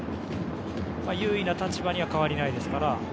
優位な立場には変わりないですから。